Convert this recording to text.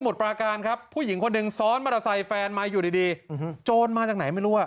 ปราการครับผู้หญิงคนหนึ่งซ้อนมอเตอร์ไซค์แฟนมาอยู่ดีโจรมาจากไหนไม่รู้อ่ะ